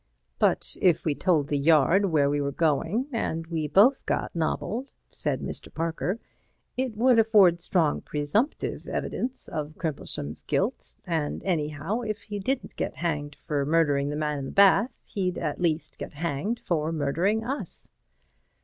"But if we told the Yard where we were going, and we both got nobbled," said Mr. Parker, "it would afford strong presumptive evidence of Crimplesham's guilt, and anyhow, if he didn't get hanged for murdering the man in the bath he'd at least get hanged for murdering us."